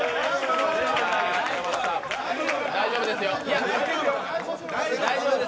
大丈夫ですよ。